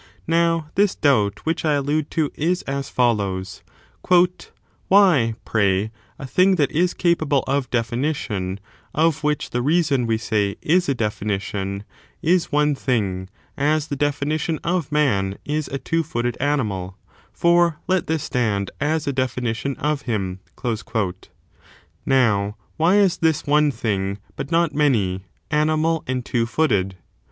Now, this doubt which I allude to is as follows : "why, pray, a thing that is capable of definition, of which the reason, we say, is a definition, is one thing, as the definition of man is a two footed animal ) for let this stand as a definition of him.*' Now, why is this one thing, but not many, animal and two footed?